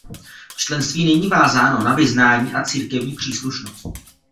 Členství není vázáno na vyznání a církevní příslušnost.